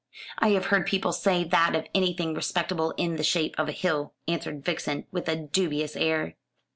"I have heard people say that of anything respectable in the shape of a hill," answered Vixen, with a dubious air.